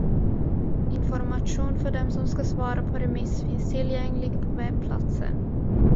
Information för dem som ska svara på remiss finns tillgänglig på webbplatsen.